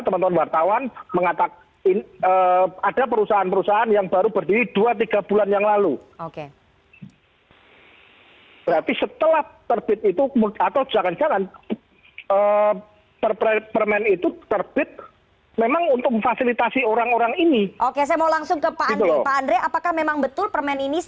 memperkaya maklar ini